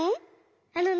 あのね